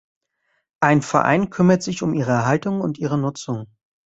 Ein Verein kümmert sich um ihre Erhaltung und ihre Nutzung.